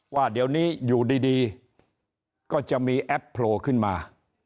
ว่าเดี๋ยวนี้อยู่ดีก็จะมีแอปโผล่ขึ้นมา